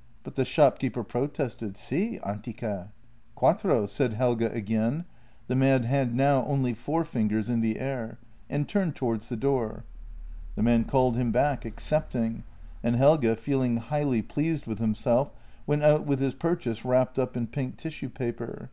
" But the shopkeeper protested, " Si, antica" " Quattro," said Helge again — the man had now only five fingers in the air — and turned towards the door. The man called him back, ac cepting, and Helge, feeling highly pleased with himself, went out with his purchase wrapped up in pink tissue paper.